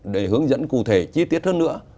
để hướng dẫn cụ thể chi tiết hơn nữa